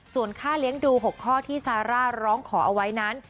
ส่วนค่าเลี้ยงดู๖ข้อที่ซาร่าร้องขอเอาไว้นั้น